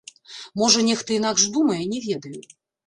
Можа нехта інакш думае, не ведаю.